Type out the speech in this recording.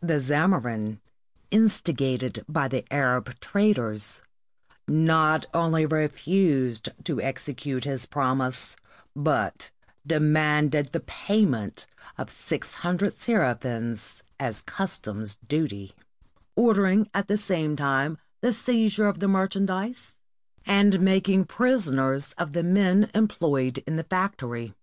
The Zamorin, instigated by the Arab traders, not only refused to exe cute his promise, but demanded the payment of 600 sera phins as customs' duty, ordering at the same time the seizure of the merchandise, and making prisoners of the men employed in the factory.